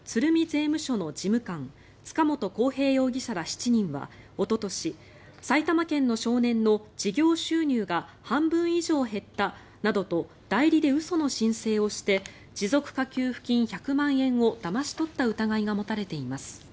税務署の事務官塚本晃平容疑者ら７人はおととし埼玉県の少年の事業収入が半分以上減ったなどと代理で嘘の申請をして持続化給付金１００万円をだまし取った疑いが持たれています。